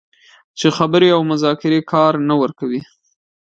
چې خبرې او مذاکرې کار نه ورکوي